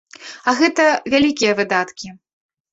А гэта вялікія выдаткі.